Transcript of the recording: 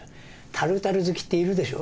タルタル好きっているでしょ。